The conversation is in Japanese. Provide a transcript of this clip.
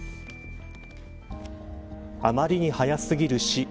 あまりに早すぎる死。